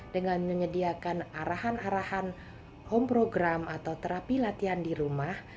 dengan menyediakan arahan arahan home program atau terapi latihan di rumah